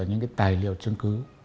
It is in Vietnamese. những cái tài liệu chứng cứ